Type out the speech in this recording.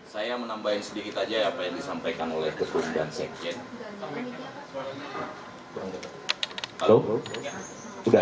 saya menambahin sedikit aja apa yang disampaikan oleh keputusan sekolah